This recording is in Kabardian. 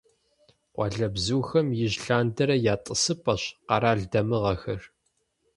Къуалэбзухэм ижь лъандэрэ я «тӀысыпӀэщ» къэрал дамыгъэхэр.